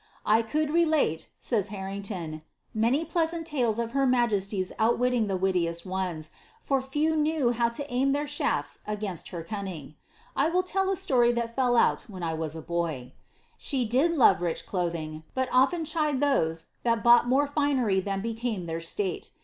^ I could relate," says Harrington, ^ many pleasant tales of her majesty's outwitting the wittiest ones, for few knew how to aim their shaAs against her cunning. I will tell a story that fell out when 1 was a boy. She did loTe rich clothing, but often chid those that bought more finery than became their state.